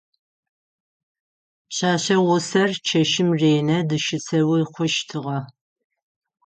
Пшъэшъэ гъусэр чэщым ренэ дыщысэуи хъущтыгъэ.